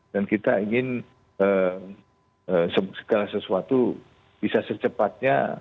dan kita ingin segala sesuatu bisa secepatnya